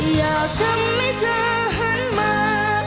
อยากทำให้เธอหันมา